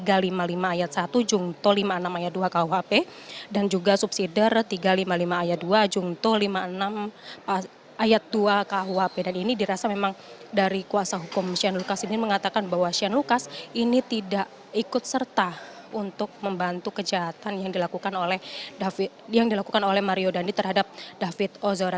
tiga ratus lima puluh lima ayat satu jungto lima puluh enam ayat dua khuhp dan juga subsidi tiga ratus lima puluh lima ayat dua jungto lima puluh enam ayat dua khuhp dan ini dirasa memang dari kuasa hukum shane lucas ini mengatakan bahwa shane lucas ini tidak ikut serta untuk membantu kejahatan yang dilakukan oleh mario dandi terhadap david ozora